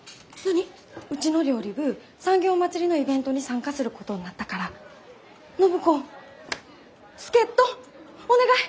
うちの料理部産業まつりのイベントに参加することになったから暢子助っ人お願い！